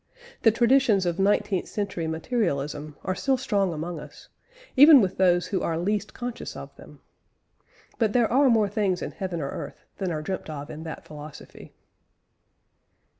The traditions of nineteenth century materialism are still strong amongst us, even with those who are least conscious of them. But there are more things in heaven and earth than are dreamt of in that philosophy.